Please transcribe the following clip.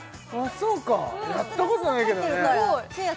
そうかやったことないけどね